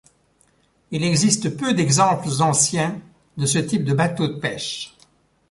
Il existe peu d'exemples anciens de ce type de bateau de pêche.